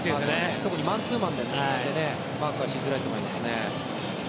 特にマンツーマンでのマークはしづらいと思いますね。